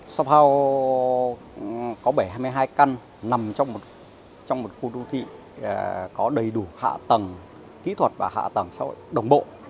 shop house có bảy mươi hai căn nằm trong một khu đô thị có đầy đủ hạ tầng kỹ thuật và hạ tầng đồng bộ